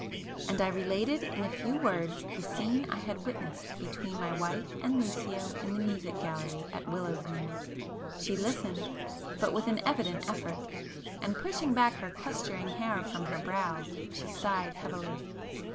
And I related in a few words the scene I had witnessed between my wife and Lucio in the music gallery at Willowsmere. She listened,—but with an evident effort,—and pushing back her clustering hair from her brows she sighed heavily.